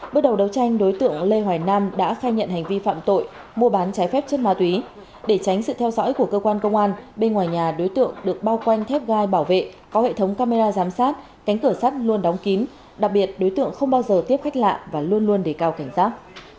bước đầu đấu tranh đối tượng lê hoài nam đã khai nhận hành vi phạm tội mua bán trái phép chất ma túy để tránh sự theo dõi của cơ quan công an bên ngoài nhà đối tượng được bao quanh thép gai bảo vệ có hệ thống camera giám sát cánh cửa sắt luôn đóng kín đặc biệt đối tượng không bao giờ tiếp khách lạ và luôn luôn đề cao cảnh giác